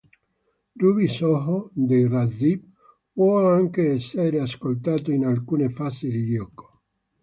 Ruby Soho dei Rancid può anche essere ascoltato in alcune fasi di gioco.